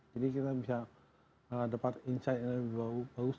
kita bisa dapat insight yang lebih bagus